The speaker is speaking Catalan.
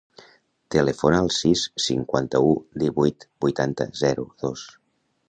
Telefona al sis, cinquanta-u, divuit, vuitanta, zero, dos.